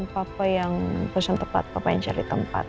papa yang persen tepat papa yang cari tempat